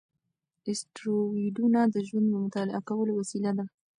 اسټروېډونه د ژوند د مطالعه کولو وسیله دي.